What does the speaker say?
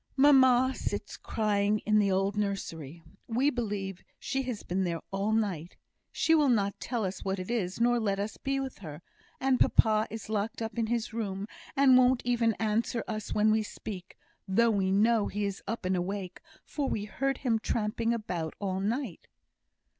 "Mamma sits crying in the old nursery. We believe she has been there all night. She will not tell us what it is, nor let us be with her; and papa is locked up in his room, and won't even answer us when we speak, though we know he is up and awake, for we heard him tramping about all night."